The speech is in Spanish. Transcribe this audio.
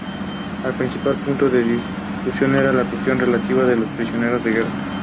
El principal punto en discusión era la cuestión relativa a los prisioneros de guerra.